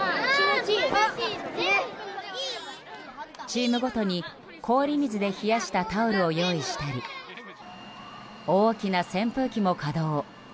チームごとに氷水で冷やしたタオルを用意したり大きな扇風機も稼働。